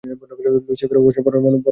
ছোট লুইস অবশেষে বড় মানুষদের সাথে বাজাবে!